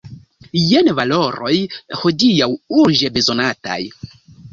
Jen valoroj hodiaŭ urĝe bezonataj!